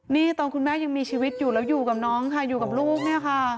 นี่ตอนคุณแม่ยังมีชีวิตอยู่แล้วอยู่กับน้องค่ะอยู่กับลูกเนี่ยค่ะ